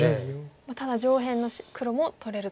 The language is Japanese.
ただ上辺の黒も取れるぞと。